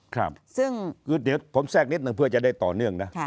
ครับซึ่งคือเดี๋ยวผมแทรกนิดนึงเพื่อจะได้ต่อเนื่องนะ